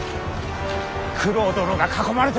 九郎殿が囲まれてるぞ！